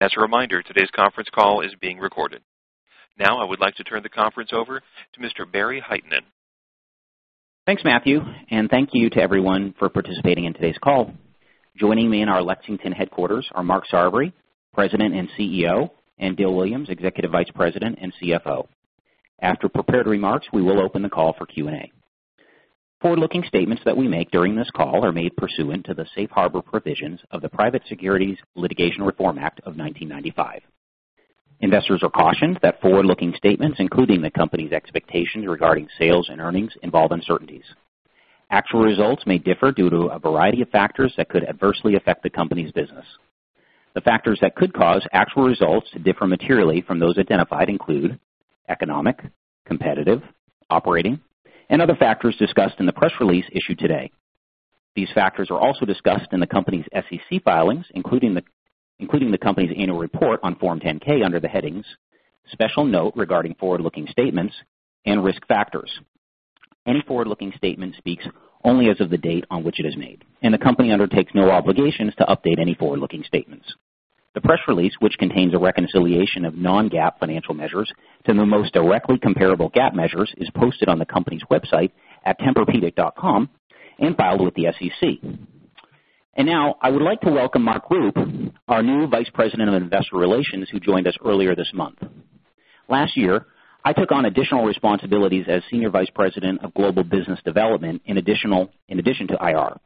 As a reminder, today's conference call is being recorded. Now I would like to turn the conference over to Mr. Barry Hytinen. Thanks, Matthew, and thank you to everyone for participating in today's call. Joining me in our Lexington headquarters are Mark Sarvary, President and CEO, and Dale Williams, Executive Vice President and CFO. After prepared remarks, we will open the call for Q&A. Forward-looking statements that we make during this call are made pursuant to the Safe Harbor provisions of the Private Securities Litigation Reform Act of 1995. Investors are cautioned that forward-looking statements, including the company's expectations regarding sales and earnings, involve uncertainties. Actual results may differ due to a variety of factors that could adversely affect the company's business. The factors that could cause actual results to differ materially from those identified include economic, competitive, operating, and other factors discussed in the press release issued today. These factors are also discussed in the company's SEC filings, including the company's annual report on Form 10-K under the headings Special Note Regarding Forward-Looking Statements and Risk Factors. Any forward-looking statement speaks only as of the date on which it is made, and the company undertakes no obligations to update any forward-looking statements. The press release, which contains a reconciliation of non-GAAP financial measures to the most directly comparable GAAP measures, is posted on the company's website at somnigroup.com and filed with the SEC. I would like to welcome Mark Rupe, our new Vice President of Investor Relations, who joined us earlier this month. Last year, I took on additional responsibilities as Senior Vice President of Global Business Development in addition to IR.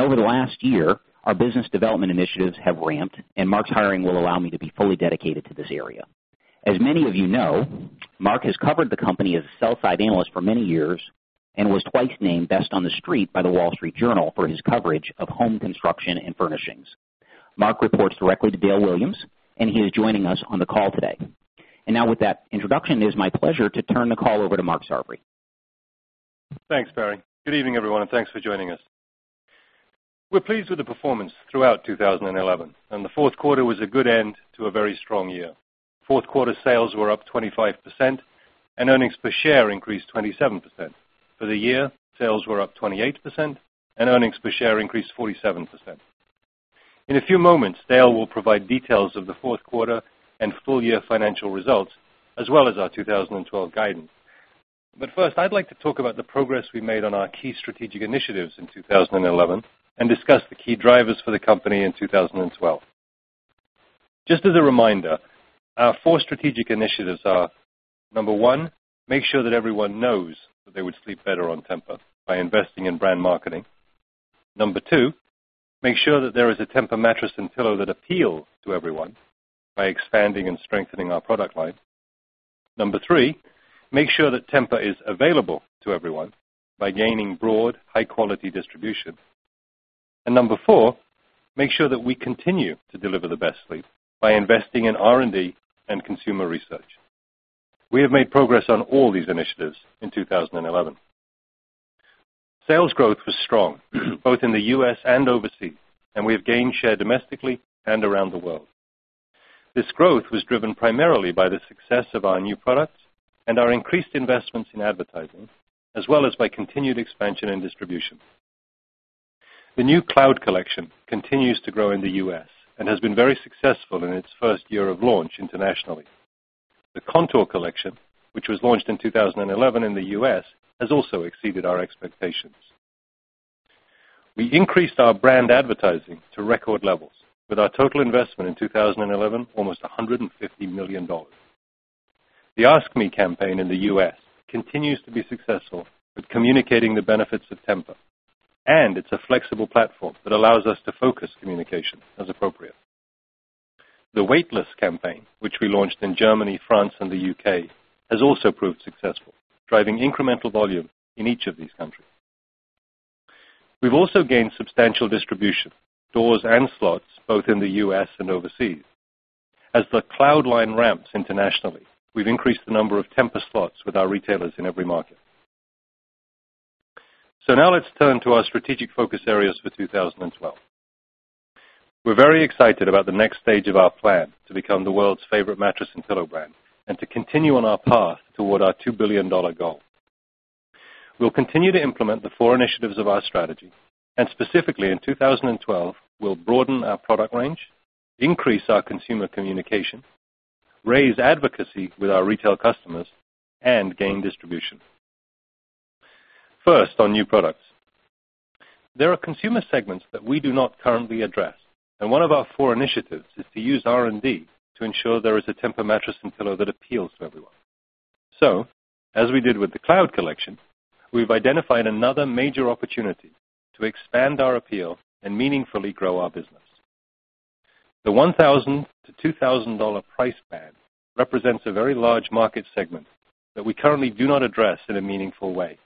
Over the last year, our business development initiatives have ramped, and Mark's hiring will allow me to be fully dedicated to this area. As many of you know, Mark has covered the company as a sell-side analyst for many years and was twice named Best on the Street by the Wall Street Journal for his coverage of home construction and furnishings. Mark reports directly to Dale Williams, and he is joining us on the call today. With that introduction, it is my pleasure to turn the call over to Mark Sarvary. Thanks, Barry. Good evening, everyone, and thanks for joining us. We're pleased with the performance throughout 2011, and the fourth quarter was a good end to a very strong year. Fourth quarter sales were up 25%, and earnings per share increased 27%. For the year, sales were up 28%, and earnings per share increased 47%. In a few moments, Dale will provide details of the fourth quarter and full-year financial results, as well as our 2012 guidance. First, I'd like to talk about the progress we made on our key strategic initiatives in 2011 and discuss the key drivers for the company in 2012. Just as a reminder, our four strategic initiatives are: number one, make sure that everyone knows that they would sleep better on Tempur by investing in brand marketing. Number two, make sure that there is a Tempur mattress and pillow that appeal to everyone by expanding and strengthening our product line. Number three, make sure that Tempur is available to everyone by gaining broad, high-quality distribution. Number four, make sure that we continue to deliver the best sleep by investing in R&D and consumer research. We have made progress on all these initiatives in 2011. Sales growth was strong, both in the U.S. and overseas, and we have gained share domestically and around the world. This growth was driven primarily by the success of our new products and our increased investments in advertising, as well as by continued expansion and distribution. The new Cloud collection continues to grow in the U.S. and has been very successful in its first year of launch internationally. The Contour collection, which was launched in 2011 in the U.S., has also exceeded our expectations. We increased our brand advertising to record levels, with our total investment in 2011 almost $150 million. The Ask Me campaign in the U.S. continues to be successful at communicating the benefits of Tempur, and it's a flexible platform that allows us to focus communication as appropriate. The Weightless campaign, which we launched in Germany, France, and the U.K., has also proved successful, driving incremental volume in each of these countries. We've also gained substantial distribution, doors, and slots both in the U.S. and overseas. As the Cloud line ramps internationally, we've increased the number of Tempur slots with our retailers in every market. Now let's turn to our strategic focus areas for 2012. We're very excited about the next stage of our plan to become the world's favorite mattress and pillow brand and to continue on our path toward our $2 billion goal. We'll continue to implement the four initiatives of our strategy, and specifically, in 2012, we'll broaden our product range, increase our consumer communication, raise advocacy with our retail customers, and gain distribution. First, on new products. There are consumer segments that we do not currently address, and one of our four initiatives is to use R&D to ensure there is a Somnigroup International mattress and pillow that appeals to everyone. As we did with the Cloud collection, we've identified another major opportunity to expand our appeal and meaningfully grow our business. The $1,000-$2,000 price band represents a very large market segment that we currently do not address in a meaningful way.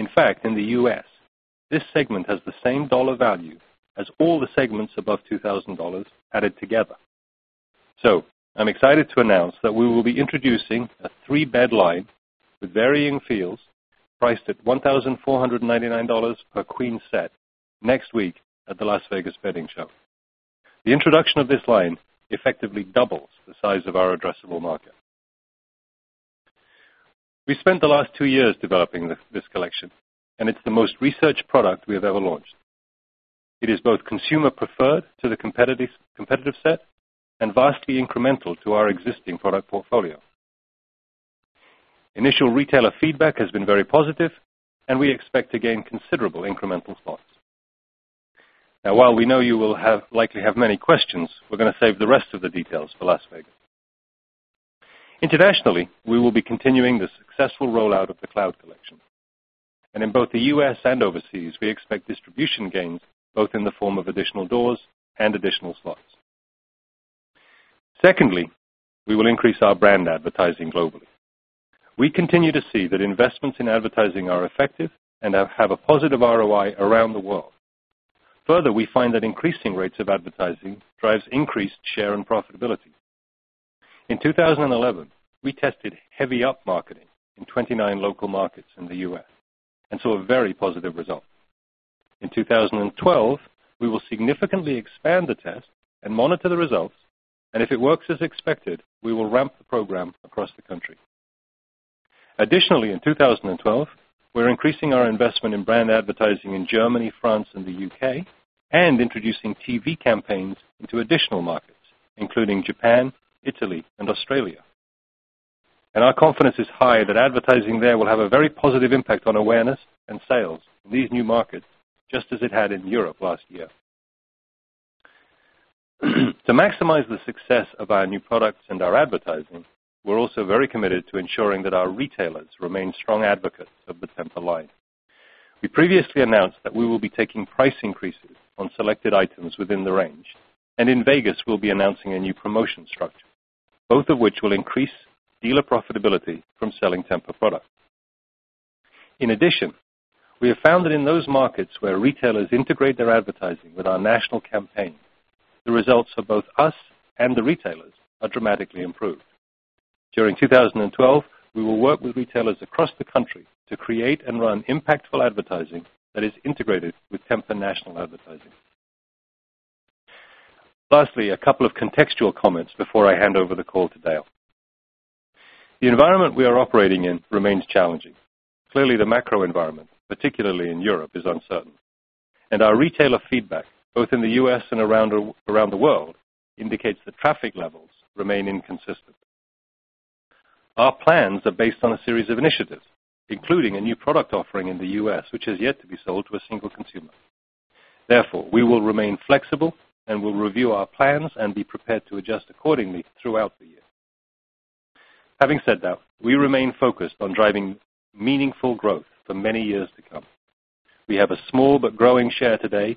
In fact, in the U.S., this segment has the same dollar value as all the segments above $2,000 added together. I'm excited to announce that we will be introducing a three-bed line with varying feels priced at $1,499 per queen set next week at the Las Vegas bedding show. The introduction of this line effectively doubles the size of our addressable market. We spent the last two years developing this collection, and it's the most researched product we have ever launched. It is both consumer-preferred to the competitive set and vastly incremental to our existing product portfolio. Initial retailer feedback has been very positive, and we expect to gain considerable incremental spots. While we know you will likely have many questions, we're going to save the rest of the details for Las Vegas. Internationally, we will be continuing the successful rollout of the Cloud collection. In both the U.S. and overseas, we expect distribution gains, both in the form of additional doors and additional slots. Secondly, we will increase our brand advertising globally. We continue to see that investments in advertising are effective and have a positive ROI around the world. Further, we find that increasing rates of advertising drives increased share and profitability. In 2011, we tested heavy up marketing in 29 local markets in the U.S. and saw a very positive result. In 2012, we will significantly expand the test and monitor the results, and if it works as expected, we will ramp the program across the country. Additionally, in 2012, we're increasing our investment in brand advertising in Germany, France, and the U.K. and introducing TV campaigns to additional markets, including Japan, Italy, and Australia. Our confidence is high that advertising there will have a very positive impact on awareness and sales in these new markets, just as it had in Europe last year. To maximize the success of our new products and our advertising, we're also very committed to ensuring that our retailers remain strong advocates of the Tempur line. We previously announced that we will be taking price increases on selected items within the range, and in Vegas, we'll be announcing a new promotion structure, both of which will increase dealer profitability from selling Tempur products. In addition, we have found that in those markets where retailers integrate their advertising with our national campaign, the results for both us and the retailers are dramatically improved. During 2012, we will work with retailers across the country to create and run impactful advertising that is integrated with Tempur national advertising. Lastly, a couple of contextual comments before I hand over the call to Dale. The environment we are operating in remains challenging. Clearly, the macro environment, particularly in Europe, is uncertain. Our retailer feedback, both in the U.S. and around the world, indicates that traffic levels remain inconsistent. Our plans are based on a series of initiatives, including a new product offering in the U.S., which has yet to be sold to a single consumer. Therefore, we will remain flexible and will review our plans and be prepared to adjust accordingly throughout the year. Having said that, we remain focused on driving meaningful growth for many years to come. We have a small but growing share today,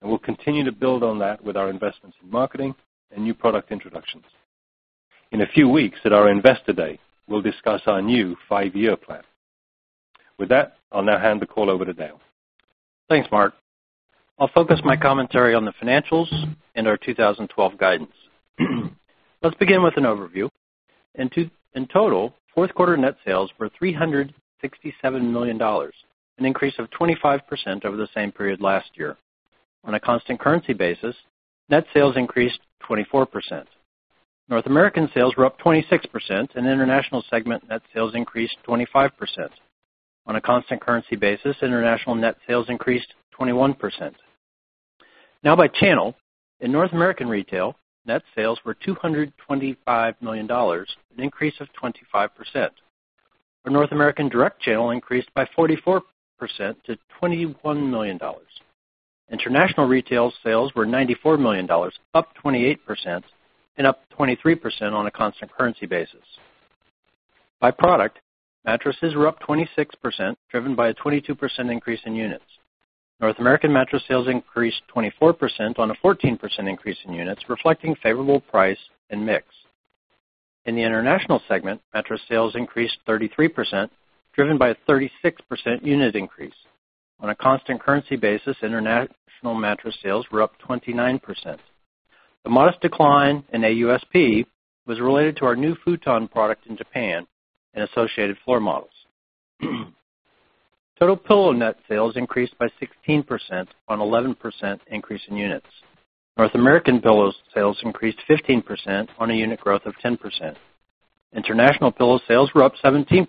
and we'll continue to build on that with our investments in marketing and new product introductions. In a few weeks, at our Investor Day, we'll discuss our new five-year plan. With that, I'll now hand the call over to Dale. Thanks, Mark. I'll focus my commentary on the financials and our 2012 guidance. Let's begin with an overview. In total, fourth quarter net sales were $367 million, an increase of 25% over the same period last year. On a constant currency basis, net sales increased 24%. North American sales were up 26%, and the international segment net sales increased 25%. On a constant currency basis, international net sales increased 21%. Now, by channel, in North American retail, net sales were $225 million, an increase of 25%. Our North American direct channel increased by 44% to $21 million. International retail sales were $94 million, up 28% and up 23% on a constant currency basis. By product, mattresses were up 26%, driven by a 22% increase in units. North American mattress sales increased 24% on a 14% increase in units, reflecting favorable price and mix. In the international segment, mattress sales increased 33%, driven by a 36% unit increase. On a constant currency basis, international mattress sales were up 29%. The modest decline in AUSP was related to our new futon product in Japan and associated floor models. Total pillow net sales increased by 16% on an 11% increase in units. North American pillow sales increased 15% on a unit growth of 10%. International pillow sales were up 17%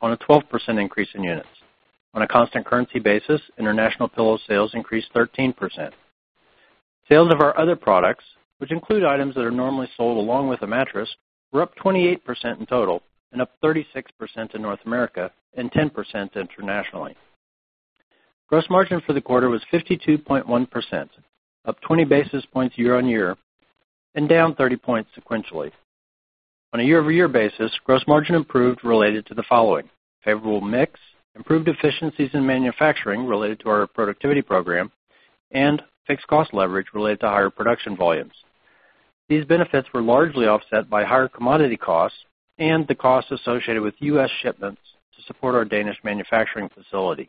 on a 12% increase in units. On a constant currency basis, international pillow sales increased 13%. Sales of our other products, which include items that are normally sold along with a mattress, were up 28% in total and up 36% in North America and 10% internationally. Gross margin for the quarter was 52.1%, up 20 basis points year on year, and down 30 points sequentially. On a year-over-year basis, gross margin improved related to the following: favorable mix, improved efficiencies in manufacturing related to our productivity program, and fixed cost leverage related to higher production volumes. These benefits were largely offset by higher commodity costs and the costs associated with U.S. shipments to support our Danish manufacturing facility.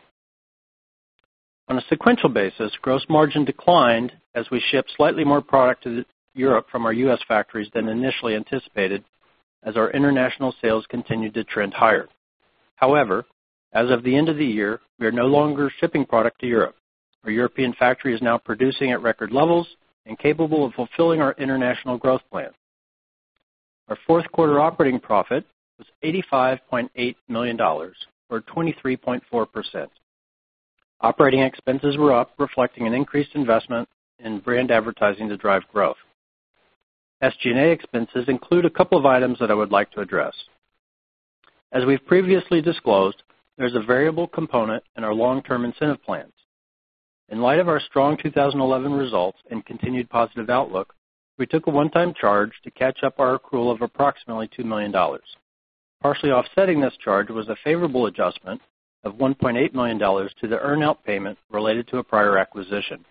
On a sequential basis, gross margin declined as we shipped slightly more product to Europe from our U.S. factories than initially anticipated as our international sales continued to trend higher. However, as of the end of the year, we are no longer shipping product to Europe. Our European factory is now producing at record levels and capable of fulfilling our international growth plan. Our fourth quarter operating profit was $85.8 million, or 23.4%. Operating expenses were up, reflecting an increased investment in brand advertising to drive growth. SG&A expenses include a couple of items that I would like to address. As we've previously disclosed, there's a variable component in our long-term incentive plans. In light of our strong 2011 results and continued positive outlook, we took a one-time charge to catch up our accrual of approximately $2 million. Partially offsetting this charge was a favorable adjustment of $1.8 million to the earnout payment related to a prior acquisition.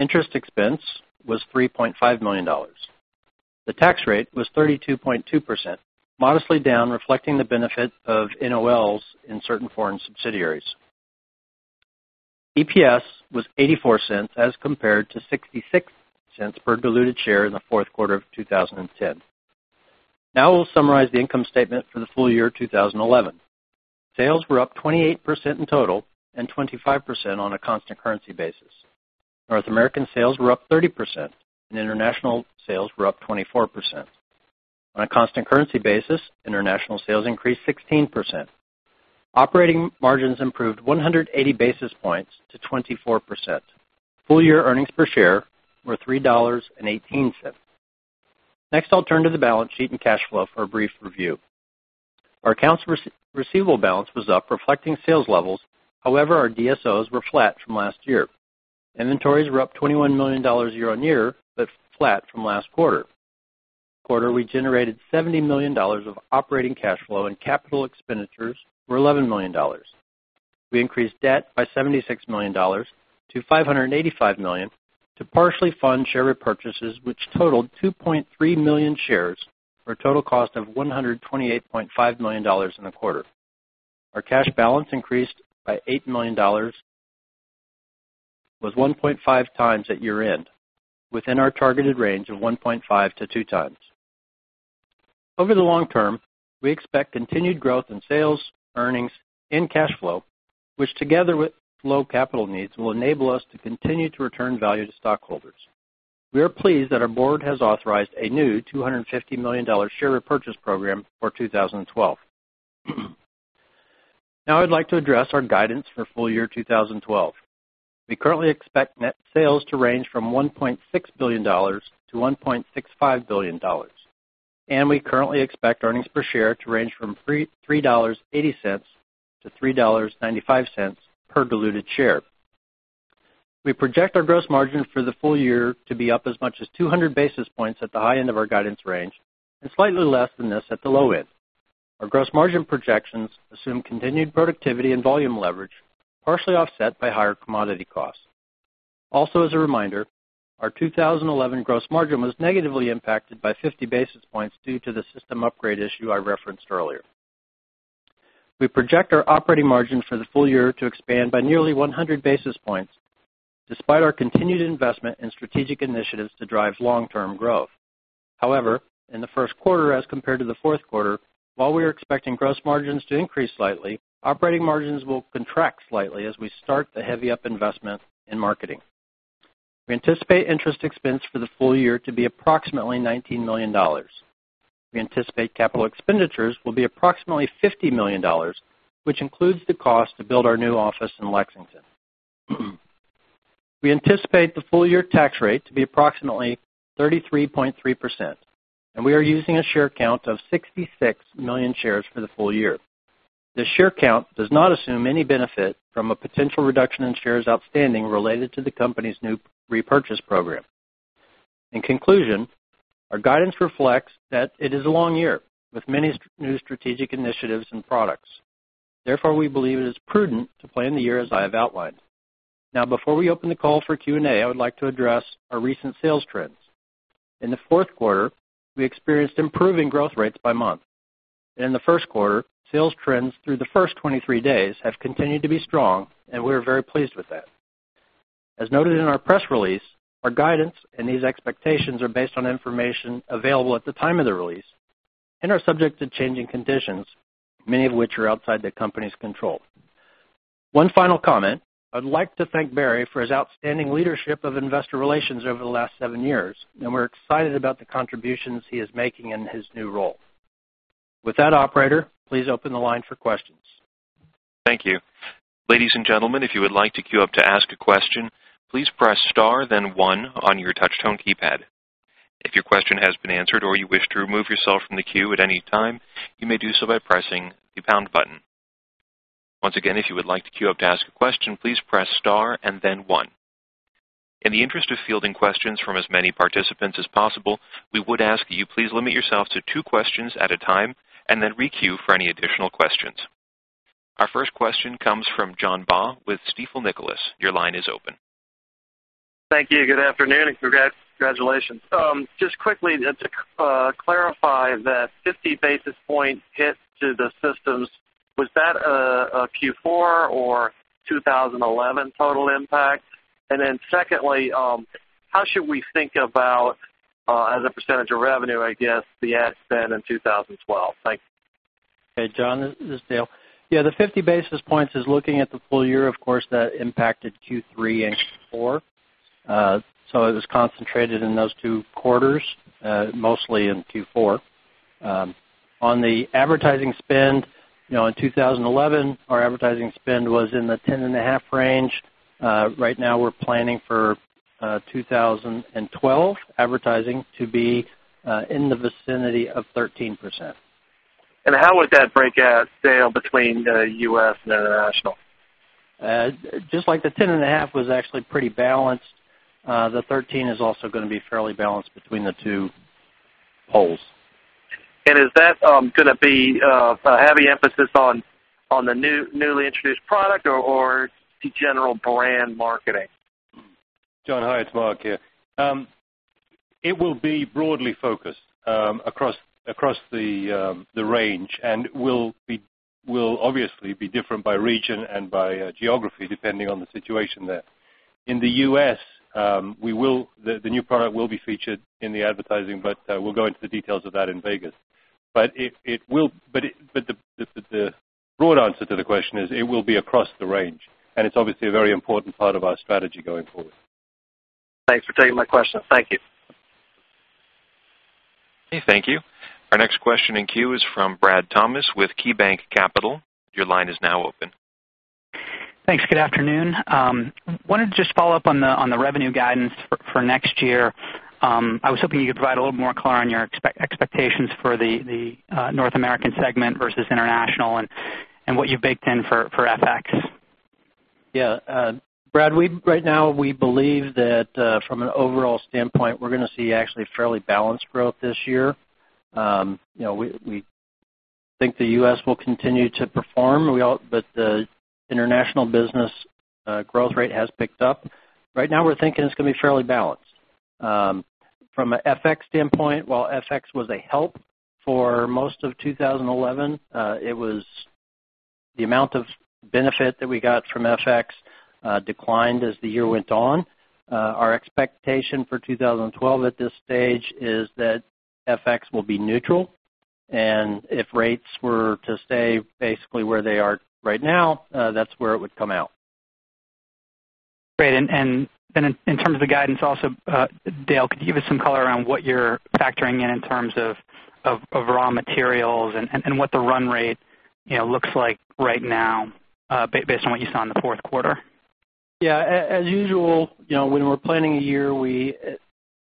Interest expense was $3.5 million. The tax rate was 32.2%, modestly down, reflecting the benefit of NOLs in certain foreign subsidiaries. EPS was $0.84 as compared to $0.66 per diluted share in the fourth quarter of 2010. Now, we'll summarize the income statement for the full year 2011. Sales were up 28% in total and 25% on a constant currency basis. North American sales were up 30%, and international sales were up 24%. On a constant currency basis, international sales increased 16%. Operating margins improved 180 basis points to 24%. Full-year earnings per share were $3.18. Next, I'll turn to the balance sheet and cash flow for a brief review. Our accounts receivable balance was up, reflecting sales levels. However, our DSOs were flat from last year. Inventories were up $21 million year on year, but flat from last quarter. This quarter, we generated $70 million of operating cash flow, and capital expenditures were $11 million. We increased debt by $76 million to $585 million to partially fund share repurchases, which totaled 2.3 million shares for a total cost of $128.5 million in a quarter. Our cash balance increased by $8 million, was 1.5x at year-end, within our targeted range of 1.5x-2x. Over the long term, we expect continued growth in sales, earnings, and cash flow, which together with low capital needs will enable us to continue to return value to stockholders. We are pleased that our board has authorized a new $250 million share repurchase program for 2012. Now, I'd like to address our guidance for full year 2012. We currently expect net sales to range from $1.6 billion-$1.65 billion, and we currently expect earnings per share to range from $3.80-$3.95 per diluted share. We project our gross margin for the full year to be up as much as 200 basis points at the high end of our guidance range and slightly less than this at the low end. Our gross margin projections assume continued productivity and volume leverage, partially offset by higher commodity costs. Also, as a reminder, our 2011 gross margin was negatively impacted by 50 basis points due to the system upgrade issue I referenced earlier. We project our operating margin for the full year to expand by nearly 100 basis points, despite our continued investment in strategic initiatives to drive long-term growth. However, in the first quarter, as compared to the fourth quarter, while we are expecting gross margins to increase slightly, operating margins will contract slightly as we start the heavy-up investment in marketing. We anticipate interest expense for the full year to be approximately $19 million. We anticipate capital expenditures will be approximately $50 million, which includes the cost to build our new office in Lexington. We anticipate the full year tax rate to be approximately 33.3%, and we are using a share count of 66 million shares for the full year. This share count does not assume any benefit from a potential reduction in shares outstanding related to the company's new repurchase program. In conclusion, our guidance reflects that it is a long year with many new strategic initiatives and products. Therefore, we believe it is prudent to plan the year as I have outlined. Now, before we open the call for Q&A, I would like to address our recent sales trends. In the fourth quarter, we experienced improving growth rates by month. In the first quarter, sales trends through the first 23 days have continued to be strong, and we are very pleased with that. As noted in our press release, our guidance and these expectations are based on information available at the time of the release and are subject to changing conditions, many of which are outside the company's control. One final comment, I would like to thank Barry for his outstanding leadership of investor relations over the last seven years, and we're excited about the contributions he is making in his new role. With that, operator, please open the line for questions. Thank you. Ladies and gentlemen, if you would like to queue up to ask a question, please press star, then one on your touch-tone keypad. If your question has been answered or you wish to remove yourself from the queue at any time, you may do so by pressing the pound button. Once again, if you would like to queue up to ask a question, please press star and then one. In the interest of fielding questions from as many participants as possible, we would ask that you please limit yourself to two questions at a time and then re-queue for any additional questions. Our first question comes from John Baugh with Stifel, Nicolaus. Your line is open. Thank you. Good afternoon and congratulations. Just quickly to clarify, that 50 basis point hit to the systems, was that a Q4 or 2011 total impact? Secondly, how should we think about, as a percentage of revenue, the ad spend in 2012? Thanks. Hey, John. This is Dale. Yeah, the 50 basis points is looking at the full year. Of course, that impacted Q3 and Q4. It was concentrated in those two quarters, mostly in Q4. On the advertising spend, in 2011, our advertising spend was in the $10.5 million range. Right now, we're planning for 2012 advertising to be in the vicinity of 13%. How would that break out, Dale, between the U.S. and international? Just like the $10.5 million was actually pretty balanced, the 13% is also going to be fairly balanced between the two poles. Is that going to be a heavy emphasis on the newly introduced product or general brand marketing? Mark here. It will be broadly focused across the range, and will obviously be different by region and by geography, depending on the situation there. In the U.S., the new product will be featured in the advertising, but we'll go into the details of that in Vegas. The broad answer to the question is it will be across the range, and it's obviously a very important part of our strategy going forward. Thanks for taking my question. Thank you. Thank you. Our next question in queue is from Brad Thomas with KeyBanc Capital. Your line is now open. Thanks. Good afternoon. Wanted to just follow up on the revenue guidance for next year. I was hoping you could provide a little more color on your expectations for the North American segment versus international and what you baked in for FX. Yeah, Brad, right now, we believe that from an overall standpoint, we're going to see actually fairly balanced growth this year. We think the U.S. will continue to perform, but the international business growth rate has picked up. Right now, we're thinking it's going to be fairly balanced. From an FX standpoint, while FX was a help for most of 2011, the amount of benefit that we got from FX declined as the year went on. Our expectation for 2012 at this stage is that FX will be neutral, and if rates were to stay basically where they are right now, that's where it would come out. Great. In terms of the guidance, Dale, could you give us some color around what you're factoring in in terms of raw materials and what the run rate looks like right now based on what you saw in the fourth quarter? Yeah, as usual, when we're planning a year, we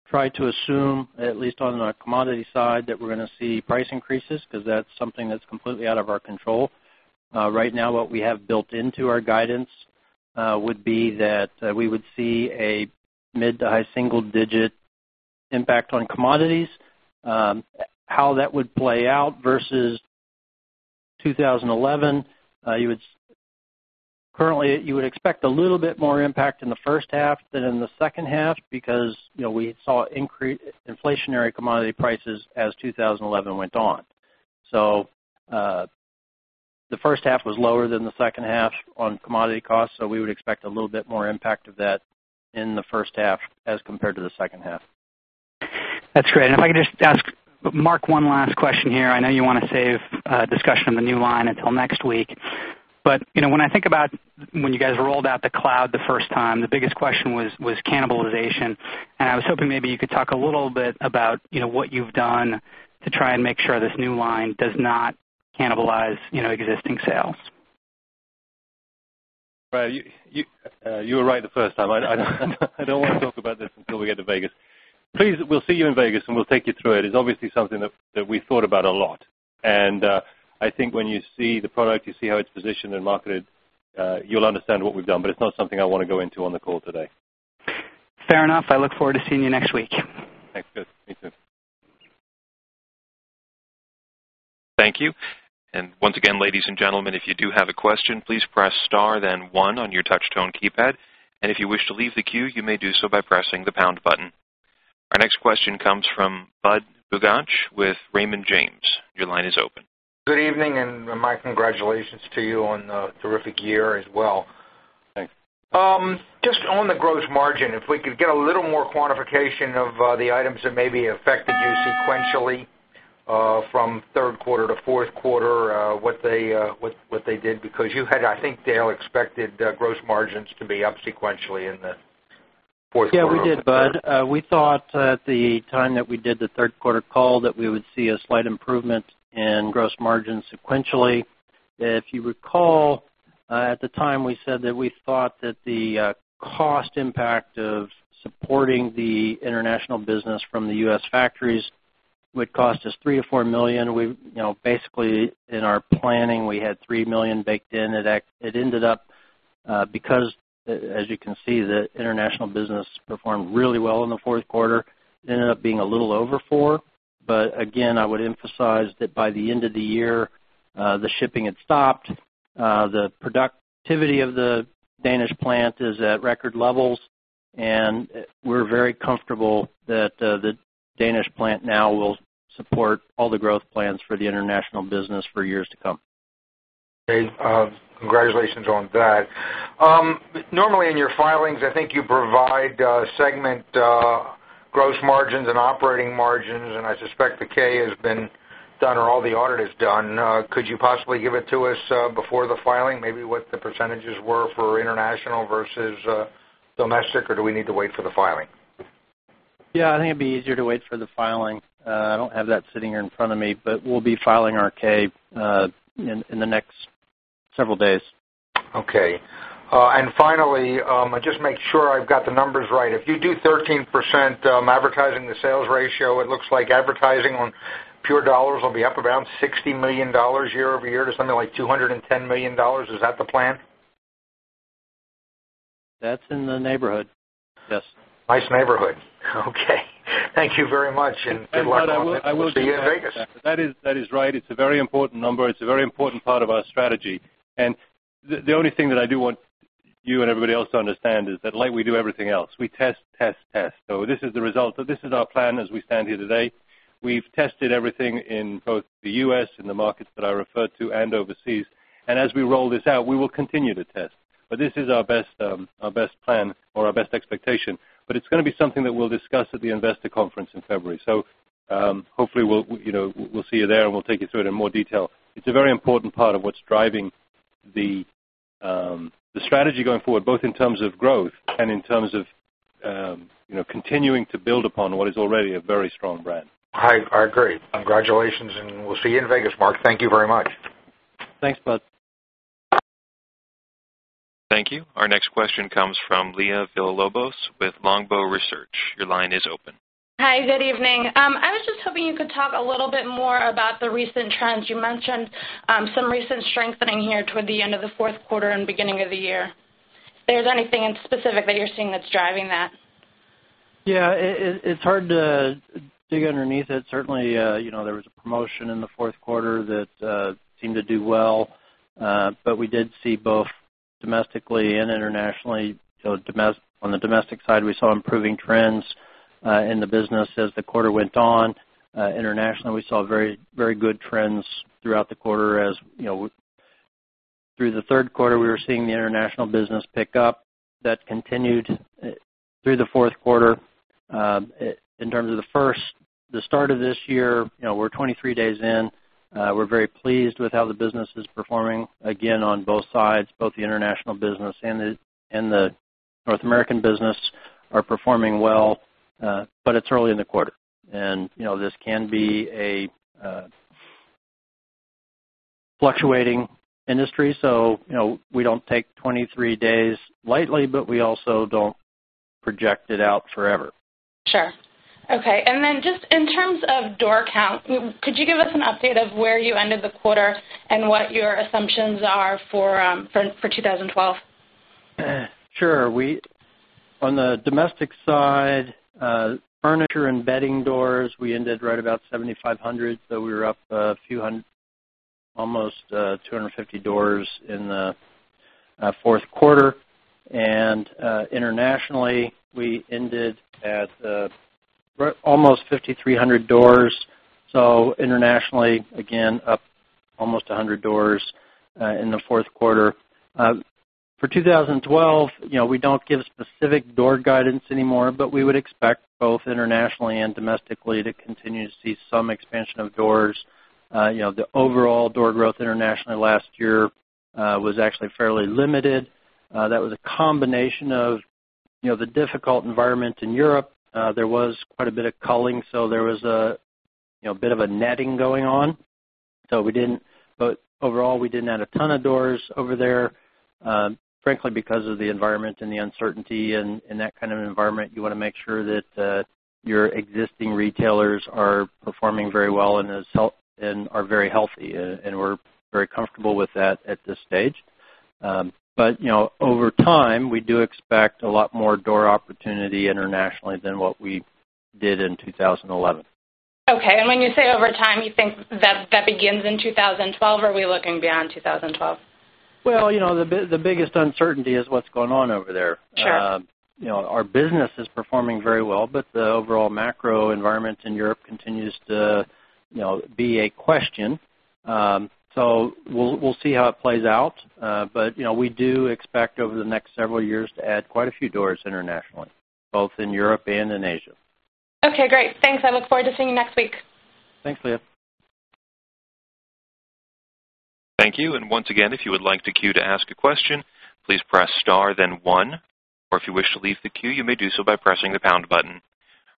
try to assume, at least on the commodity side, that we're going to see price increases because that's something that's completely out of our control. Right now, what we have built into our guidance would be that we would see a mid to high single-digit impact on commodities. How that would play out versus 2011, currently, you would expect a little bit more impact in the first half than in the second half because we saw inflationary commodity prices as 2011 went on. The first half was lower than the second half on commodity costs, so we would expect a little bit more impact of that in the first half as compared to the second half. That's great. If I could just ask Mark one last question here. I know you want to save discussion of the new line until next week, but when I think about when you guys rolled out the Cloud the first time, the biggest question was cannibalization. I was hoping maybe you could talk a little bit about what you've done to try and make sure this new line does not cannibalize existing sales. You were right the first time. I don't want to talk about this until we get to Vegas. Please, we'll see you in Vegas, and we'll take you through it. It's obviously something that we thought about a lot. I think when you see the product, you see how it's positioned and marketed, you'll understand what we've done. It's not something I want to go into on the call today. Fair enough. I look forward to seeing you next week. Thanks. Good, me too. Thank you. Once again, ladies and gentlemen, if you do have a question, please press star, then one on your touch-tone keypad. If you wish to leave the queue, you may do so by pressing the pound button. Our next question comes from Budd Bugatch with Raymond James. Your line is open. Good evening, and my congratulations to you on a terrific year as well. Thanks. Just on the gross margin, if we could get a little more quantification of the items that maybe affected you sequentially from third quarter to fourth quarter, what they did, because you had, I think, Dale, expected gross margins to be up sequentially in the fourth quarter. Yeah, we did. We thought at the time that we did the third quarter call that we would see a slight improvement in gross margins sequentially. If you recall, at the time, we said that we thought that the cost impact of supporting the international business from the U.S. factories would cost us $3 million-$4 million. Basically, in our planning, we had $3 million baked in. It ended up, because, as you can see, the international business performed really well in the fourth quarter, it ended up being a little over $4 million. I would emphasize that by the end of the year, the shipping had stopped. The productivity of the Danish plant is at record levels, and we're very comfortable that the Danish plant now will support all the growth plans for the international business for years to come. Okay. Congratulations on that. Normally, in your filings, I think you provide segment gross margins and operating margins, and I suspect the K has been done or all the audit is done. Could you possibly give it to us before the filing, maybe what the percentages were for international versus domestic, or do we need to wait for the filing? I think it'd be easier to wait for the filing. I don't have that sitting here in front of me, but we'll be filing our K in the next several days. Okay. Finally, just make sure I've got the numbers right. If you do 13% advertising to sales ratio, it looks like advertising on pure dollars will be up around $60 million year-over-year to something like $210 million. Is that the plan? That's in the neighborhood, yes. Nice neighborhood. Thank you very much, and good luck with that. I will. See you in Vegas. That is right. It's a very important number. It's a very important part of our strategy. The only thing that I do want you and everybody else to understand is that, like we do everything else, we test, test, test. This is the result. This is our plan as we stand here today. We've tested everything in both the U.S. and the markets that I referred to and overseas. As we roll this out, we will continue to test. This is our best plan or our best expectation. It's going to be something that we'll discuss at the investor conference in February. Hopefully, we'll see you there, and we'll take you through it in more detail. It's a very important part of what's driving the strategy going forward, both in terms of growth and in terms of continuing to build upon what is already a very strong brand. I agree. Congratulations, and we'll see you in Vegas, Mark. Thank you very much. Thanks, Budd. Thank you. Our next question comes from Leah Villalobos with Longbow Research. Your line is open. Hi. Good evening. I was just hoping you could talk a little bit more about the recent trends. You mentioned some recent strengthening here toward the end of the fourth quarter and beginning of the year. If there's anything in specific that you're seeing that's driving that. Yeah, it's hard to dig underneath it. Certainly, there was a promotion in the fourth quarter that seemed to do well. We did see both domestically and internationally. On the domestic side, we saw improving trends in the business as the quarter went on. Internationally, we saw very, very good trends throughout the quarter. Through the third quarter, we were seeing the international business pick up that continued through the fourth quarter. In terms of the first, the start of this year, we're 23 days in. We're very pleased with how the business is performing. Again, on both sides, both the international business and the North American business are performing well. It's early in the quarter, and this can be a fluctuating industry. We don't take 23 days lightly, but we also don't project it out forever. Sure. Okay. In terms of door count, could you give us an update of where you ended the quarter and what your assumptions are for 2012? Sure. On the domestic side, furniture and bedding doors, we ended right about 7,500. We were up a few hundred, almost 250 doors in the fourth quarter. Internationally, we ended at almost 5,300 doors, again up almost 100 doors in the fourth quarter. For 2012, you know we don't give specific door guidance anymore, but we would expect both internationally and domestically to continue to see some expansion of doors. The overall door growth internationally last year was actually fairly limited. That was a combination of the difficult environment in Europe. There was quite a bit of culling, so there was a bit of a netting going on. Overall, we didn't add a ton of doors over there. Frankly, because of the environment and the uncertainty in that kind of environment, you want to make sure that your existing retailers are performing very well and are very healthy. We're very comfortable with that at this stage. Over time, we do expect a lot more door opportunity internationally than what we did in 2011. Okay. When you say over time, do you think that begins in 2012? Are we looking beyond 2012? The biggest uncertainty is what's going on over there. Sure. Our business is performing very well, but the overall macro environment in Europe continues to be a question. We'll see how it plays out. We do expect over the next several years to add quite a few doors internationally, both in Europe and in Asia. Okay. Great. Thanks. I look forward to seeing you next week. Thanks, Leah. Thank you. Once again, if you would like to queue to ask a question, please press star, then one. If you wish to leave the queue, you may do so by pressing the pound button.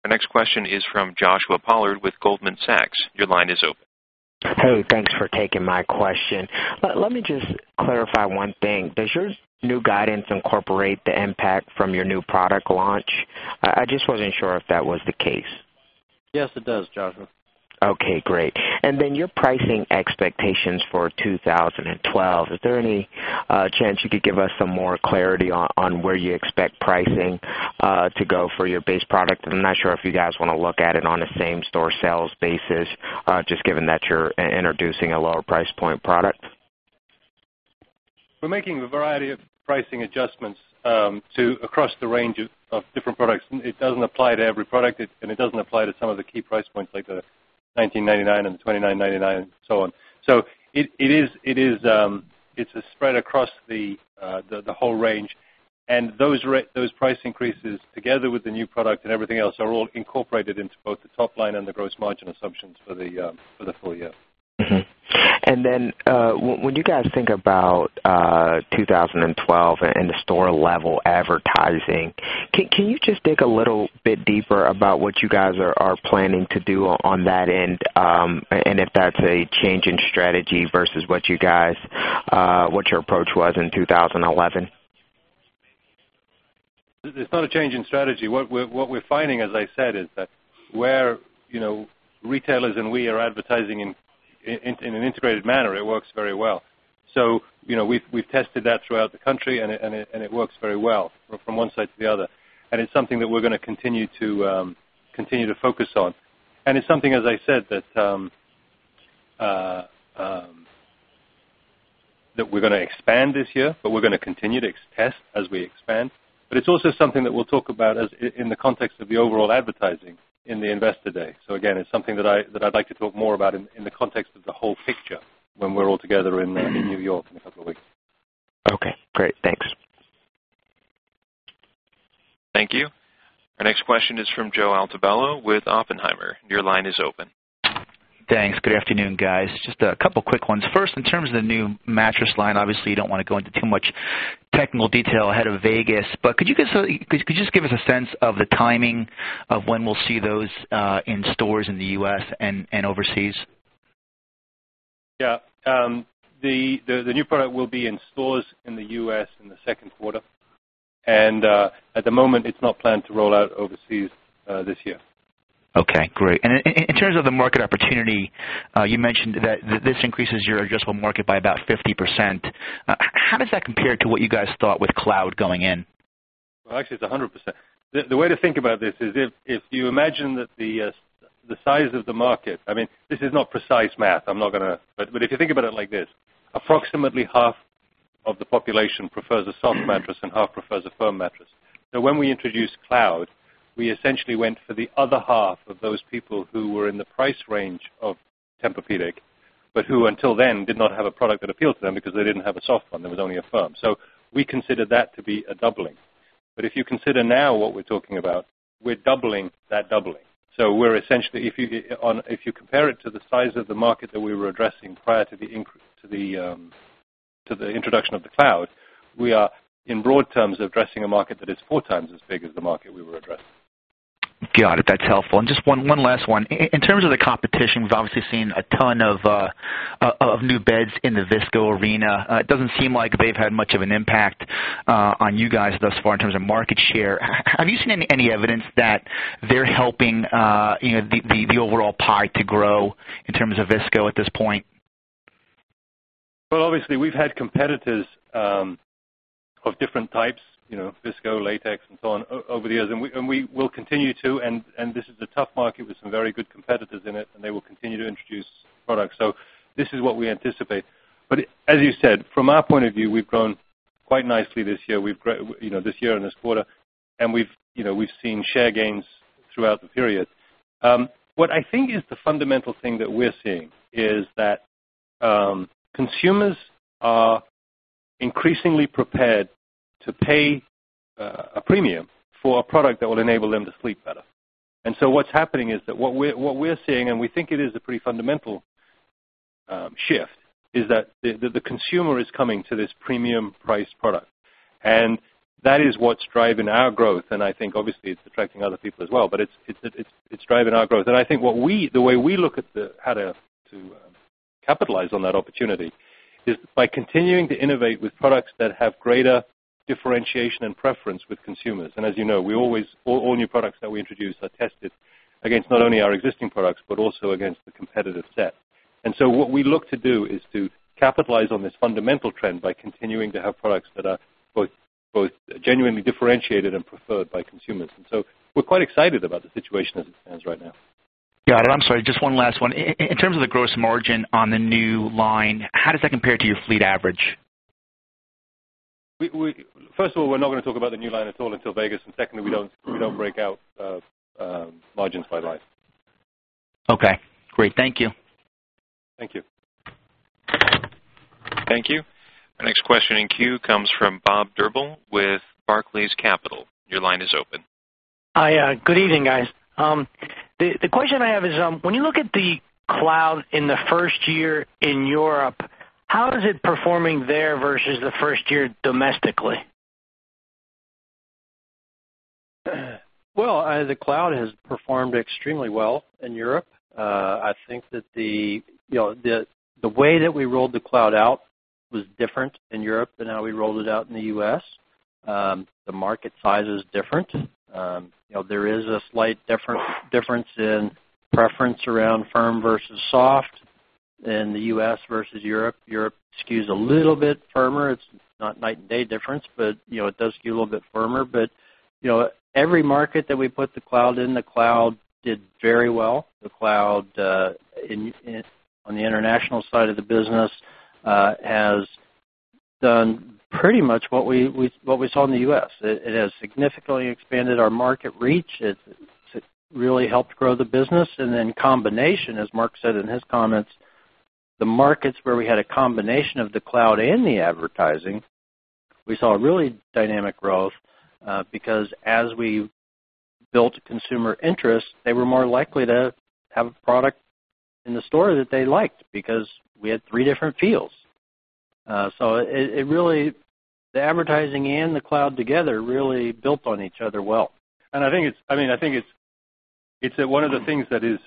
Our next question is from Joshua Pollard with Goldman Sachs. Your line is open. Thanks for taking my question. Let me just clarify one thing. Does your new guidance incorporate the impact from your new product launch? I just wasn't sure if that was the case. Yes, it does, Joshua. Okay. Great. Your pricing expectations for 2012, is there any chance you could give us some more clarity on where you expect pricing to go for your base product? I'm not sure if you guys want to look at it on the same store sales basis, just given that you're introducing a lower price point product. We're making a variety of pricing adjustments across the range of different products. It doesn't apply to every product, and it doesn't apply to some of the key price points, like $19.99 and $29.99 and so on. It's a spread across the whole range. Those price increases, together with the new product and everything else, are all incorporated into both the top line and the gross margin assumptions for the full year. When you guys think about 2012 and the store level advertising, can you dig a little bit deeper about what you guys are planning to do on that end and if that's a change in strategy versus what your approach was in 2011? It's not a change in strategy. What we're finding, as I said, is that where retailers and we are advertising in an integrated manner, it works very well. We've tested that throughout the country, and it works very well from one side to the other. It's something that we're going to continue to focus on. It's something, as I said, that we're going to expand this year, but we're going to continue to test as we expand. It's also something that we'll talk about in the context of the overall advertising in the Investor Day. Again, it's something that I'd like to talk more about in the context of the whole picture when we're all together in New York in a couple of weeks. Okay, great. Thanks. Thank you. Our next question is from Joe Altobello with Oppenheimer. Your line is open. Thanks. Good afternoon, guys. Just a couple of quick ones. First, in terms of the new mattress line, obviously, you don't want to go into too much technical detail ahead of Vegas, but could you just give us a sense of the timing of when we'll see those in stores in the U.S. and overseas? Yeah. The new product will be in stores in the U.S. in the second quarter. At the moment, it's not planned to roll out overseas this year. Great. In terms of the market opportunity, you mentioned that this increases your addressable market by about 50%. How does that compare to what you guys thought with Cloud going in? Actually, it's 100%. The way to think about this is if you imagine that the size of the market, I mean, this is not precise math. I'm not going to, but if you think about it like this, approximately half of the population prefers a soft mattress and half prefers a firm mattress. When we introduced Cloud, we essentially went for the other half of those people who were in the price range of Tempur-Pedic, but who until then did not have a product that appealed to them because they didn't have a soft one. There was only a firm. We considered that to be a doubling. If you consider now what we're talking about, we're doubling that doubling. We're essentially, if you compare it to the size of the market that we were addressing prior to the introduction of the Cloud, in broad terms, addressing a market that is four times as big as the market we were addressing. Got it. That's helpful. Just one last one. In terms of the competition, we've obviously seen a ton of new beds in the Visco arena. It doesn't seem like they've had much of an impact on you guys thus far in terms of market share. Have you seen any evidence that they're helping the overall pie to grow in terms of Visco at this point? Obviously, we've had competitors of different types, Visco, Latex, and so on, over the years, and we will continue to. This is a tough market with some very good competitors in it, and they will continue to introduce products. This is what we anticipate. As you said, from our point of view, we've grown quite nicely this year and this quarter, and we've seen share gains throughout the period. What I think is the fundamental thing that we're seeing is that consumers are increasingly prepared to pay a premium for a product that will enable them to sleep better. What's happening is that what we're seeing, and we think it is a pretty fundamental shift, is that the consumer is coming to this premium-priced product. That is what's driving our growth. I think it's attracting other people as well, but it's driving our growth. The way we look at how to capitalize on that opportunity is by continuing to innovate with products that have greater differentiation and preference with consumers. As you know, all new products that we introduce are tested against not only our existing products but also against the competitive set. What we look to do is to capitalize on this fundamental trend by continuing to have products that are both genuinely differentiated and preferred by consumers. We're quite excited about the situation as it stands right now. Got it. I'm sorry, just one last one. In terms of the gross margin on the new line, how does that compare to your fleet average? First of all, we're not going to talk about the new line at all until Vegas. Secondly, we don't break out margins by life. Okay. Great. Thank you. Thank you. Thank you. Our next question in queue comes from Bob Drbul with Barclays Capital. Your line is open. Hi. Good evening, guys. The question I have is, when you look at the Cloud in the first year in Europe, how is it performing there versus the first year domestically? The Cloud has performed extremely well in Europe. I think that the way that we rolled the Cloud out was different in Europe than how we rolled it out in the U.S. The market size is different. There is a slight difference in preference around firm versus soft in the U.S. versus Europe. Europe skews a little bit firmer. It's not a night and day difference, but it does skew a little bit firmer. Every market that we put the Cloud in, the Cloud did very well. The Cloud on the international side of the business has done pretty much what we saw in the U.S. It has significantly expanded our market reach. It's really helped grow the business. In combination, as Mark said in his comments, the markets where we had a combination of the Cloud and the advertising, we saw really dynamic growth because as we built consumer interest, they were more likely to have a product in the store that they liked because we had three different feels. The advertising and the Cloud together really built on each other well. I think it's that one of the things that is,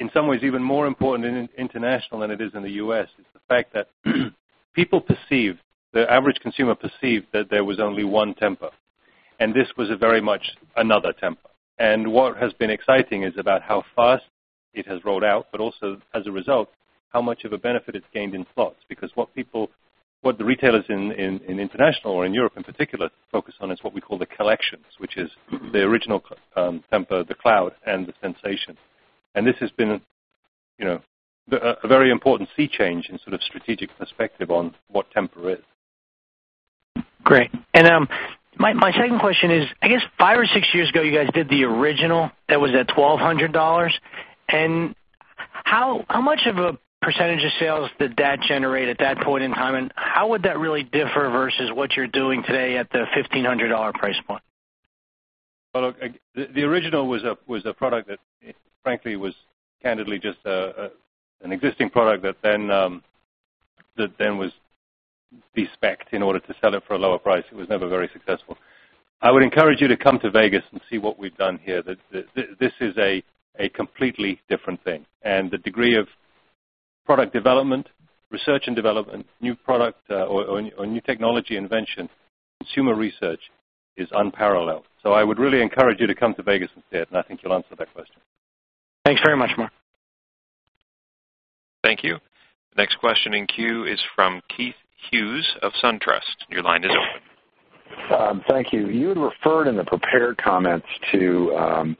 in some ways, even more important in international than it is in the U.S. is the fact that people perceived, the average consumer perceived, that there was only one Tempur. This was very much another Tempur. What has been exciting is about how fast it has rolled out, but also, as a result, how much of a benefit it's gained in slots. What the retailers in international or in Europe in particular focus on is what we call the collections, which is the original Tempur, the Cloud, and the Sensation. This has been a very important sea change in sort of strategic perspective on what Tempur is. Great. My second question is, I guess five or six years ago, you guys did the original that was at $1,200. How much of a percentage of sales did that generate at that point in time, and how would that really differ versus what you're doing today at the $1,500 price point? The original was a product that, frankly, was candidly just an existing product that then was bespecced in order to sell it for a lower price. It was never very successful. I would encourage you to come to Vegas and see what we've done here. This is a completely different thing, and the degree of product development, research and development, new product, or new technology invention, consumer research is unparalleled. I would really encourage you to come to Vegas and see it, and I think you'll answer that question. Thanks very much, Mark. Thank you. Next question in queue is from Keith Hughes of Raymond James. Your line is open. Thank you. You had referred in the prepared comments to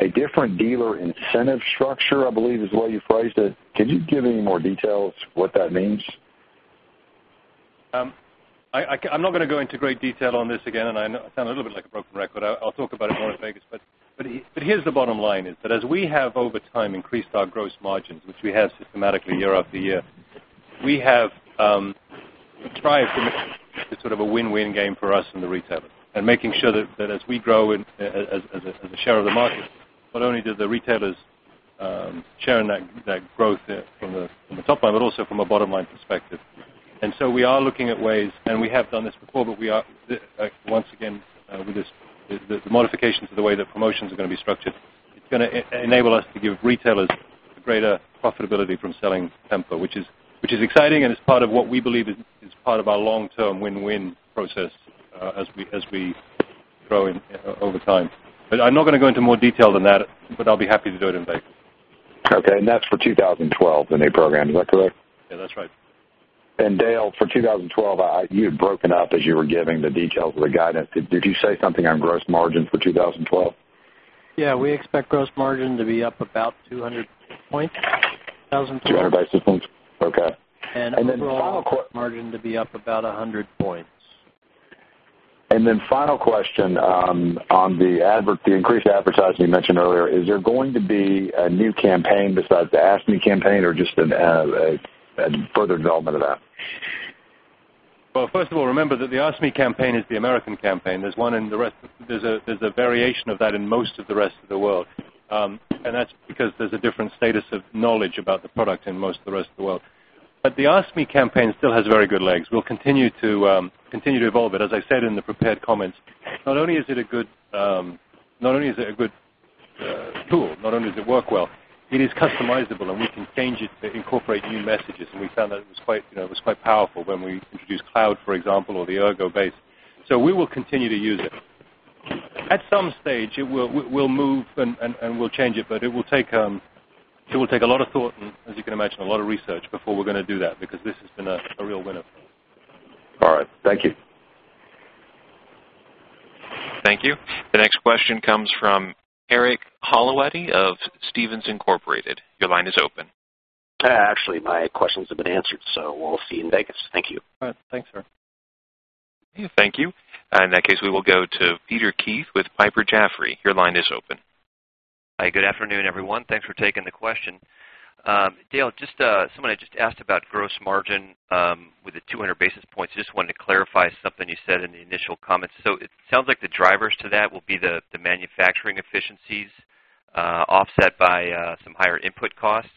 a different dealer incentive structure, I believe, is the way you phrased it. Could you give any more details what that means? I'm not going to go into great detail on this again, and I sound a little bit like a broken record. I'll talk about it more in Vegas. Here's the bottom line: as we have, over time, increased our gross margins, which we have systematically year after year, we have tried to make it sort of a win-win game for us and the retailer. Making sure that as we grow as a share of the market, not only do the retailers share in that growth from the top line, but also from a bottom-line perspective. We are looking at ways, and we have done this before, but we are, once again, with the modifications to the way that promotions are going to be structured, it's going to enable us to give retailers greater profitability from selling Somnigroup, which is exciting and is part of what we believe is part of our long-term win-win process as we grow over time. I'm not going to go into more detail than that, but I'll be happy to do it in Vegas. Okay, that's for 2012 in a program. Is that correct? Yeah, that's right. Dale, for 2012, you had broken up as you were giving the details of the guidance. Did you say something on gross margins for 2012? Yeah, we expect gross margin to be up about 200 points, 1,000. 200 basis points. Okay. Final quote, margin to be up about 100 points. On the increased advertising you mentioned earlier, is there going to be a new campaign besides the Ask Me campaign, or just a further development of that? First of all, remember that the Ask Me campaign is the American campaign. There's a variation of that in most of the rest of the world, and that's because there's a different status of knowledge about the product in most of the rest of the world. The Ask Me campaign still has very good legs. We'll continue to evolve it. As I said in the prepared comments, not only is it a good tool, not only does it work well, it is customizable, and we can change it to incorporate new messages. We found that it was quite powerful when we introduced Cloud, for example, or the Ergo base. We will continue to use it. At some stage, we'll move and we'll change it, but it will take a lot of thought and, as you can imagine, a lot of research before we're going to do that because this has been a real winner for us. All right. Thank you. Thank you. The next question comes from Eric Hollowaty of Stephens Incorporated. Your line is open. Actually, my questions have been answered, so we'll see you in Vegas. Thank you. All right. Thanks, sir. Thank you. In that case, we will go to Peter Keith with [Piper Sandler]. Your line is open. Hi. Good afternoon, everyone. Thanks for taking the question. Dale, just, someone had just asked about gross margin, with the 200 basis points. I just wanted to clarify something you said in the initial comments. It sounds like the drivers to that will be the manufacturing efficiencies, offset by some higher input costs.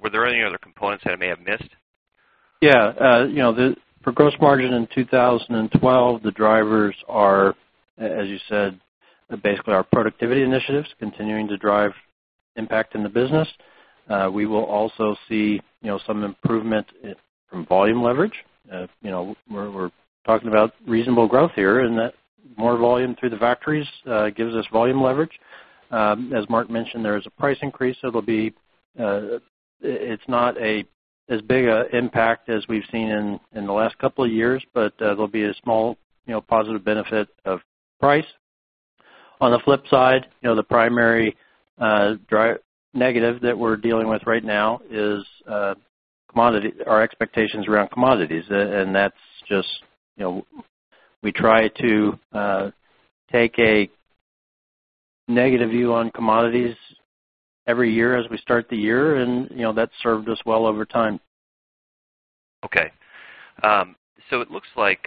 Were there any other components that I may have missed? Yeah, you know, for gross margin in 2012, the drivers are, as you said, basically our productivity initiatives continuing to drive impact in the business. We will also see some improvement from volume leverage. We're talking about reasonable growth here in that more volume through the factories gives us volume leverage. As Mark mentioned, there is a price increase, so it'll be, it's not as big an impact as we've seen in the last couple of years, but there'll be a small positive benefit of price. On the flip side, the primary drive negative that we're dealing with right now is commodity, our expectations around commodities. That's just, you know, we try to take a negative view on commodities every year as we start the year, and that's served us well over time. Okay, it looks like,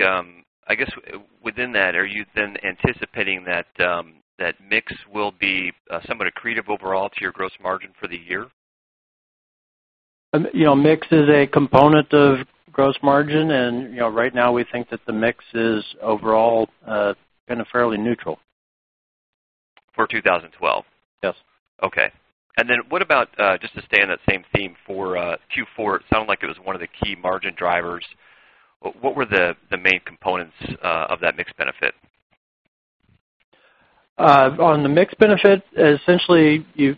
within that, are you then anticipating that mix will be somewhat accretive overall to your gross margin for the year? Mix is a component of gross margin, and right now, we think that the mix is overall, kind of fairly neutral. For 2012? Yes. Okay. What about, just to stay in that same theme for Q4, it sounded like it was one of the key margin drivers. What were the main components of that mixed benefit? On the mixed benefit, essentially, you've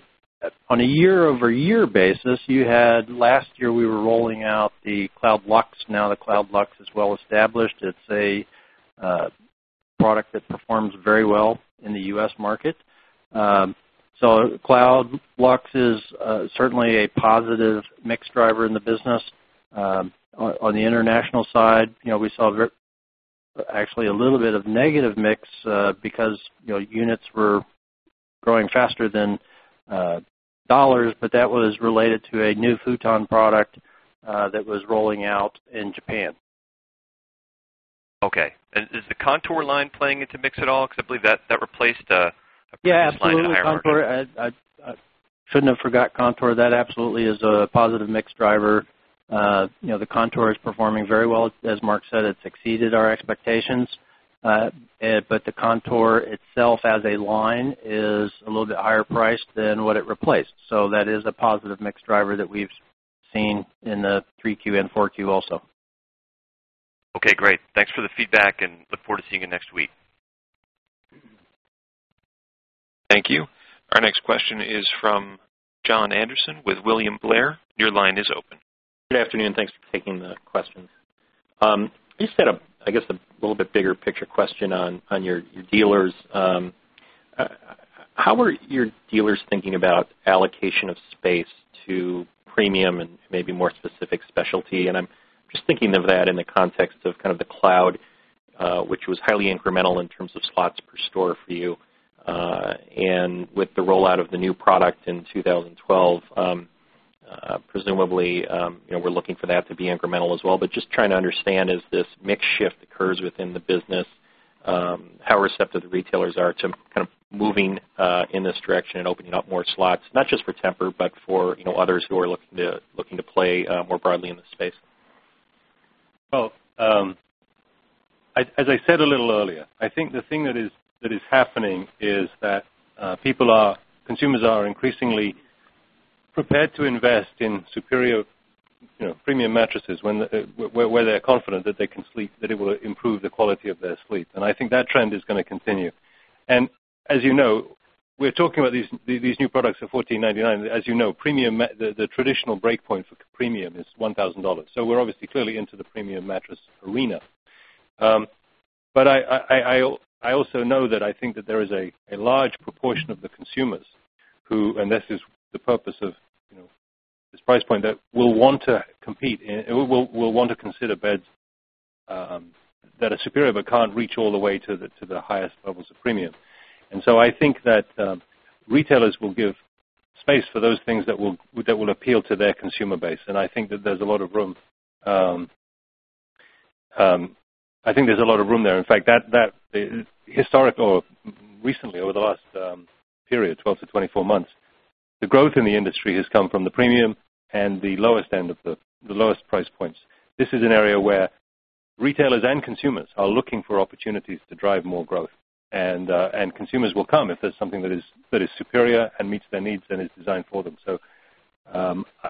on a year-over-year basis, you had last year, we were rolling out the Cloud Luxe. Now the Cloud Luxe is well established. It's a product that performs very well in the U.S. market. Cloud Luxe is certainly a positive mixed driver in the business. On the international side, you know, we saw actually a little bit of negative mix because, you know, units were growing faster than dollars, but that was related to a new futon product that was rolling out in Japan. Is the Contour line playing into mix at all? I believe that replaced a Contour line. Yeah, absolutely. Contour, I shouldn't have forgot Contour. That absolutely is a positive mixed driver. The Contour is performing very well. As Mark said, it's exceeded our expectations. The Contour itself as a line is a little bit higher priced than what it replaced. That is a positive mixed driver that we've seen in the 3Q and 4Q also. Okay. Great. Thanks for the feedback and look forward to seeing you next week. Thank you. Our next question is from John Andersen with William Blair. Your line is open. Good afternoon. Thanks for taking the question. You said a little bit bigger picture question on your dealers. How are your dealers thinking about allocation of space to premium and maybe more specific specialty? I'm just thinking of that in the context of kind of the Cloud, which was highly incremental in terms of slots per store for you. With the rollout of the new product in 2012, presumably, you know, we're looking for that to be incremental as well. Just trying to understand, as this mix shift occurs within the business, how receptive the retailers are to moving in this direction and opening up more slots, not just for Tempur, but for others who are looking to play more broadly in the space. As I said a little earlier, I think the thing that is happening is that consumers are increasingly prepared to invest in superior premium mattresses where they're confident that they can sleep, that it will improve the quality of their sleep. I think that trend is going to continue. As you know, we're talking about these new products at $1,499. As you know, the traditional break point for premium is $1,000, so we're obviously clearly into the premium mattress arena. I also know that I think that there is a large proportion of the consumers who, and this is the purpose of this price point, will want to compete and will want to consider beds that are superior but can't reach all the way to the highest levels of premium. I think that retailers will give space for those things that will appeal to their consumer base. I think that there's a lot of room. I think there's a lot of room there. In fact, historically or recently, over the last period, 12 to 24 months, the growth in the industry has come from the premium and the lowest end of the lowest price points. This is an area where retailers and consumers are looking for opportunities to drive more growth. Consumers will come if there's something that is superior and meets their needs and is designed for them.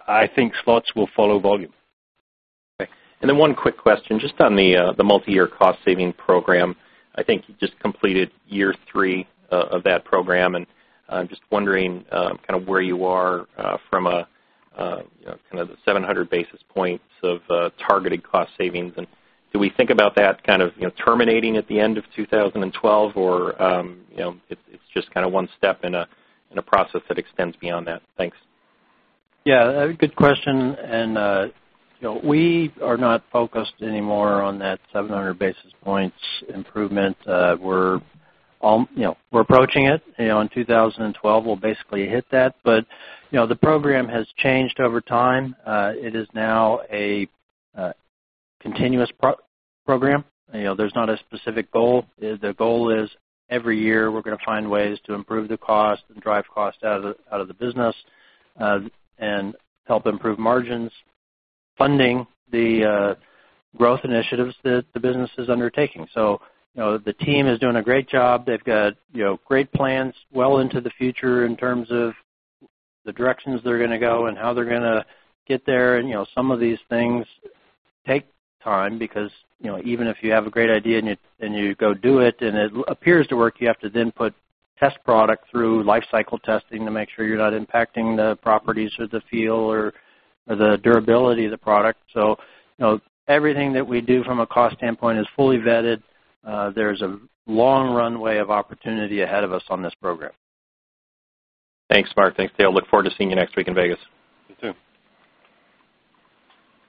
I think slots will follow volume. Okay. One quick question, just on the multi-year cost-saving program. I think you just completed year three of that program. I'm just wondering where you are from the 700 basis points of targeted cost savings. Do we think about that terminating at the end of 2012, or is it just one step in a process that extends beyond that? Thanks. Good question. We are not focused anymore on that 700 basis points improvement. We're approaching it. In 2012, we'll basically hit that. The program has changed over time. It is now a continuous program. There's not a specific goal. The goal is every year, we're going to find ways to improve the cost and drive cost out of the business and help improve margins, funding the growth initiatives that the business is undertaking. The team is doing a great job. They've got great plans well into the future in terms of the directions they're going to go and how they're going to get there. Some of these things take time because even if you have a great idea and you go do it and it appears to work, you have to then put test product through lifecycle testing to make sure you're not impacting the properties or the feel or the durability of the product. Everything that we do from a cost standpoint is fully vetted. There's a long runway of opportunity ahead of us on this program. Thanks, Mark. Thanks, Dale. Look forward to seeing you next week in Vegas. You too.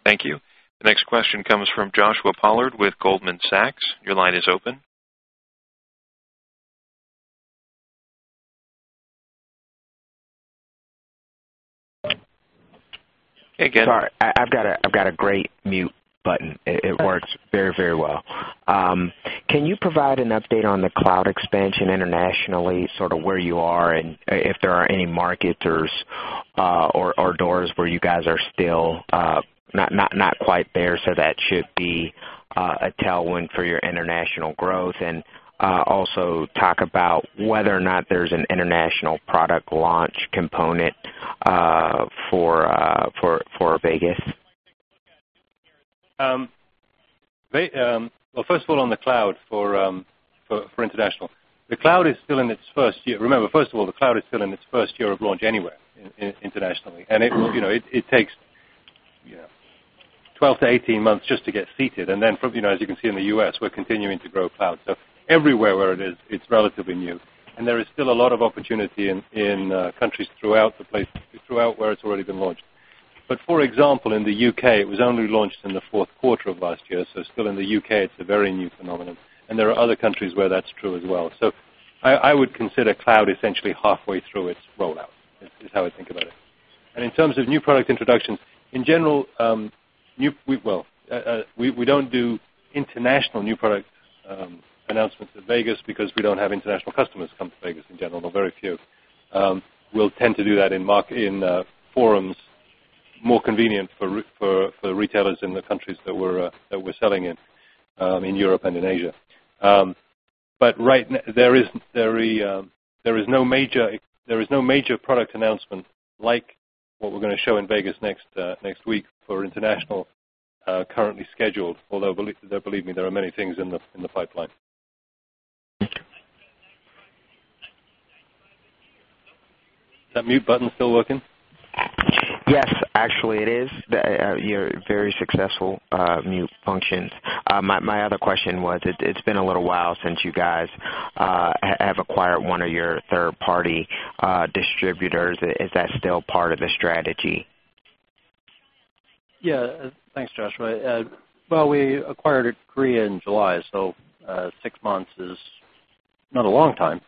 Thank you. The next question comes from Joshua Pollard with Goldman Sachs. Your line is open. Hey, again. Sorry. I've got a great mute button. It works very, very well. Can you provide an update on the Cloud expansion internationally, sort of where you are and if there are any markets or doors where you guys are still not quite there? That should be a tailwind for your international growth. Also, talk about whether or not there's an international product launch component for Vegas. On the Cloud for international, the Cloud is still in its first year. The Cloud is still in its first year of launch anywhere internationally. It takes 12 to 18 months just to get seated. As you can see in the U.S., we're continuing to grow Cloud. Everywhere where it is, it's relatively new. There is still a lot of opportunity in countries throughout where it's already been launched. For example, in the U.K., it was only launched in the fourth quarter of last year. In the U.K., it's a very new phenomenon. There are other countries where that's true as well. I would consider Cloud essentially halfway through its rollout, is how I think about it. In terms of new product introduction in general, we don't do international new product announcements in Vegas because we don't have international customers come to Vegas in general, or very few. We'll tend to do that in forums more convenient for retailers in the countries that we're selling in, in Europe and in Asia. There is no major product announcement like what we're going to show in Vegas next week for international currently scheduled, although believe me, there are many things in the pipeline. Is that mute button still working? Yes, actually, it is. You're very successful mute functions. My other question was, it's been a little while since you guys have acquired one of your third-party distributors. Is that still part of the strategy? Thank you, Joshua. We acquired it pre in July, so six months is not a long time.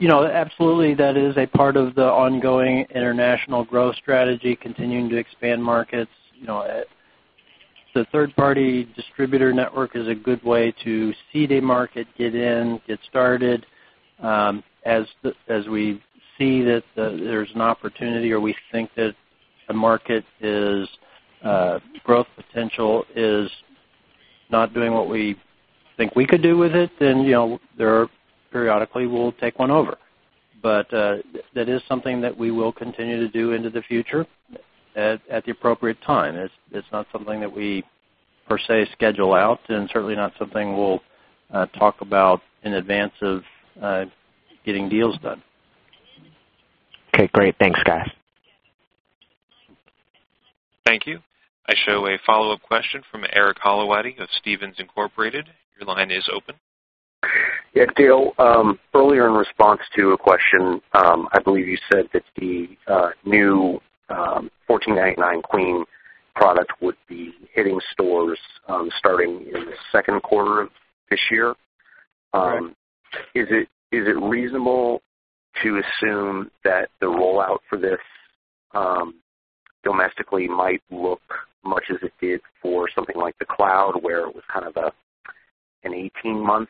Absolutely, that is a part of the ongoing international growth strategy, continuing to expand markets. The third-party distributor network is a good way to seed a market, get in, get started. As we see that there's an opportunity or we think that a market growth potential is not doing what we think we could do with it, periodically, we'll take one over. That is something that we will continue to do into the future at the appropriate time. It's not something that we schedule out and certainly not something we'll talk about in advance of getting deals done. Okay. Great. Thanks, guys. Thank you. I show a follow-up question from Eric Hollowaty of Stephens Incorporated. Your line is open. Yeah, Dale, earlier in response to a question, I believe you said that the new $1,499 queen product would be hitting stores starting in the second quarter of this year. Is it reasonable to assume that the rollout for this domestically might look much as it did for something like the Cloud, where it was kind of an 18-month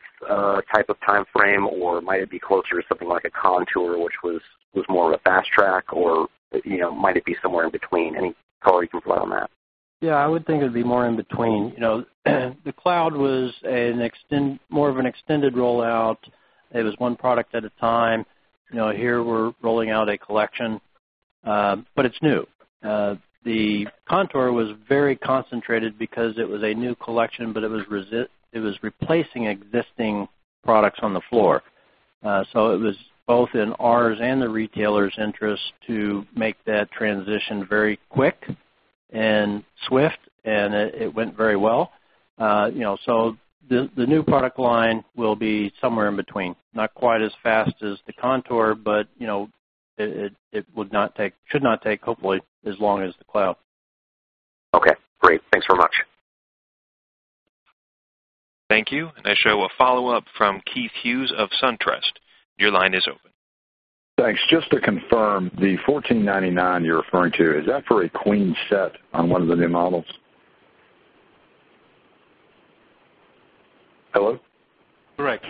type of timeframe, or might it be closer to something like a Contour, which was more of a fast track, or you know, might it be somewhere in between? Any color you can put on that? Yeah, I would think it would be more in between. The Cloud was more of an extended rollout. It was one product at a time. Here we're rolling out a collection, but it's new. The Contour was very concentrated because it was a new collection, but it was replacing existing products on the floor. It was both in ours and the retailer's interest to make that transition very quick and swift, and it went very well. The new product line will be somewhere in between, not quite as fast as the Contour, but it should not take, hopefully, as long as the Cloud. Okay. Great. Thanks very much. Thank you. I show a follow-up from Keith Hughes of SunTrust. Your line is open. Thanks. Just to confirm, the $1,499 you're referring to, is that for a queen set on one of the new models? Hello? Correct.